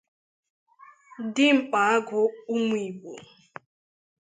Dimkpa agụ ụmụ Igbo